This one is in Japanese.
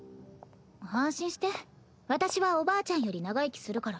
安心して私はおばあちゃんより長生きするから。